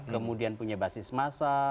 kemudian punya basis masa